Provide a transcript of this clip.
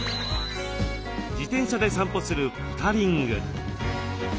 自転車で散歩するポタリング。